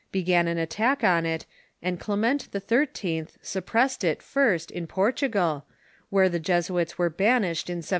began an attack on it, and Clement XIII. suppressed it, first, in Portugal, where the Jesuits were banished in 1759.